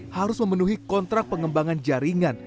harus memenuhi kontrak pengembangan jaringan